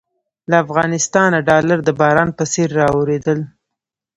له افغانستانه ډالر د باران په څېر رااورېدل.